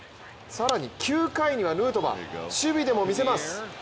更に９回にはヌートバー守備でも見せます。